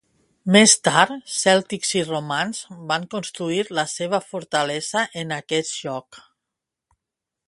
Més tard, cèltics i romans van construir la seva fortalesa en aquest lloc.